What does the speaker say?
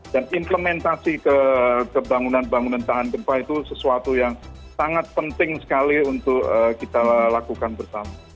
implementasi ke bangunan bangunan tahan gempa itu sesuatu yang sangat penting sekali untuk kita lakukan bersama